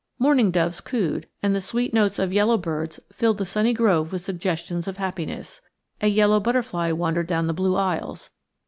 Mourning doves cooed, and the sweet notes of yellow birds filled the sunny grove with suggestions of happiness. A yellow butterfly wandered down the blue aisles.